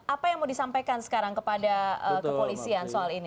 apa yang mau disampaikan sekarang kepada kepolisian soal ini